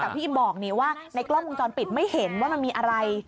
แต่พี่อิมบอกนี่ว่าในกล้องวงจรปิดไม่เห็นว่ามันมีอะไร